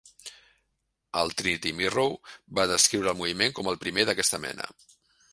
El Trinity Mirror va descriure el moviment com el primer d'aquesta mena.